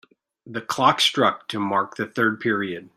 The clock struck to mark the third period.